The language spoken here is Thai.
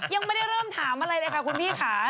ยังไม่ได้เริ่มถามอะไรเลยค่ะคุณพี่ค่ะ